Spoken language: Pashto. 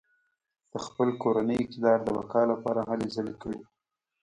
د خپل کورني اقتدار د بقا لپاره هلې ځلې کړې.